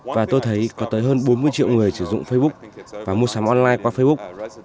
và tôi thấy có tới hơn bốn mươi triệu người sử dụng facebook và mua sắm online qua facebook